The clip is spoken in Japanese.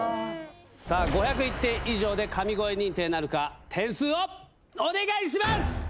さあ、５０１点以上で神声認定なるか、点数をお願いします。